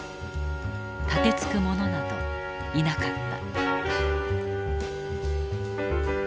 盾つく者などいなかった。